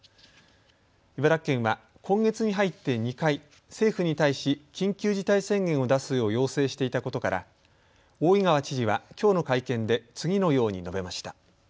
茨城県は今月に入って２回、政府に対し、緊急事態宣言を出すよう要請していたことから大井川知事はきょうの会見で次のように述べました。